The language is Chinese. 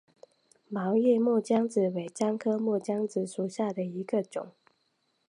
毛叶木姜子为樟科木姜子属下的一个种。